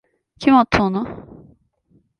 Kim attı onu?